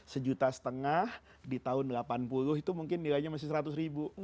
sejuta setengah di tahun delapan puluh itu mungkin nilainya masih seratus ribu